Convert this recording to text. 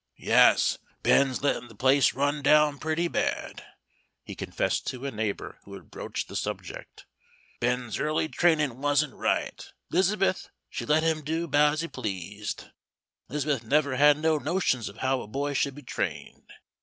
"Yes, Ben's letting the place run down pretty bad," he confessed to a neighbor who had broached the subject. "Ben's early trainin' wasn't right. 'Liz'beth, she let him do 'bout as he pleased. Liz'beth never had no notions of how a boy should be trained.